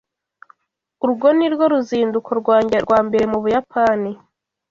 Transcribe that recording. Urwo nirwo ruzinduko rwanjye rwa mbere mu Buyapani.